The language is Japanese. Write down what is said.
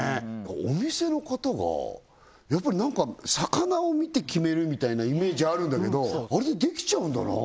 お店の方がやっぱりなんか魚を見て決めるみたいなイメージあるんだけどあれでできちゃうんだな